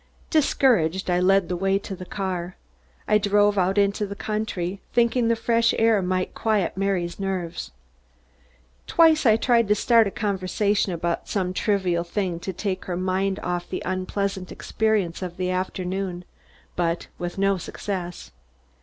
Discouraged, I led the way to the car. I drove out into the country, thinking the fresh air might quiet Mary's nerves. Twice I tried to start a conversation about some trivial thing, to take her mind off her unpleasant experience of the afternoon, but with no success.